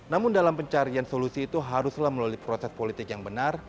namun dalam pencarian solusi itu haruslah melalui proses politik yang benar